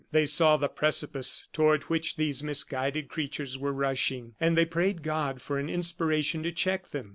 They saw the precipice toward which these misguided creatures were rushing, and they prayed God for an inspiration to check them.